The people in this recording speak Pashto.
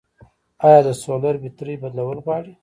آیا د سولر بیترۍ بدلول غواړي؟